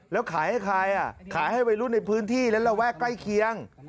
แล้วขายให้ใครขายให้วัยรุ่นในพื้นที่และระแวกใกล้เคียง